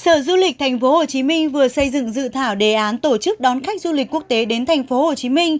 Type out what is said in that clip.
sở du lịch tp hcm vừa xây dựng dự thảo đề án tổ chức đón khách du lịch quốc tế đến tp hcm